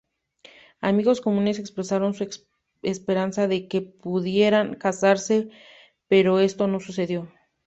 Amigos comunes expresaron su esperanza de que pudieran casarse, pero esto no sucedió.